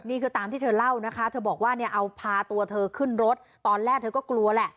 นี่คือตามที่เธอเล่านะคะเธอบอกว่าเนี่ยเอาพาตัวเธอขึ้นรถตอนแรกเธอก็กลัวแหละ